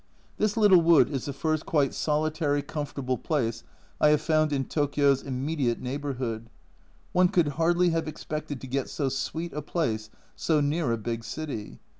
This little wood is the first quite solitary comfort able place I have found in Tokio's immediate neigh bourhood one could hardly have expected to get so sweet a place so near a big city.